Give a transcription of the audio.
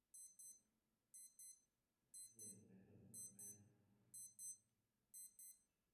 Tháng Mười lá vẫn còn bay